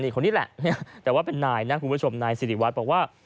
คนนี้แหละแต่ว่าเป็นนายนะคุณผู้ชมนายสิริวัตรบอกว่า